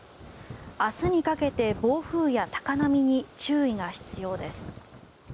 明日にかけて暴風や高波に注意が必要です。